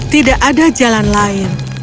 tidak ada jalan lain